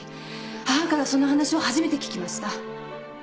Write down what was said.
母からその話を初めて聞きました。